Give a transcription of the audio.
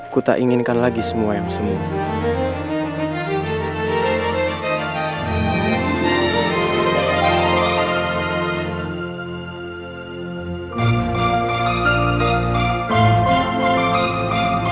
ku tak inginkan lagi semua yang semuanya